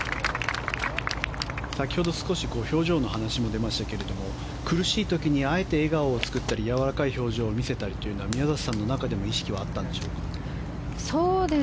先ほど少し表情の話も出ましたけど苦しい時にあえて笑顔を作ったりやわらかい表情を見せたりというのは宮里さんの中でも意識はあったんでしょうか。